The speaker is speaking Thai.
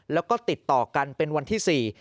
แล้วก็ติดต่อกันเป็นวันที่๔